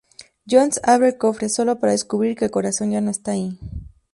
Jones abre el cofre, solo para descubrir que el corazón ya no está ahí.